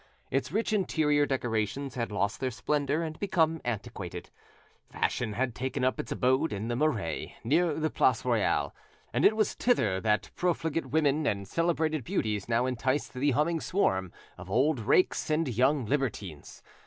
Its rich interior decorations had lost their splendour and become antiquated. Fashion had taken up its abode in the Marais, near the Place Royale, and it was thither that profligate women and celebrated beauties now enticed the humming swarm of old rakes and young libertines.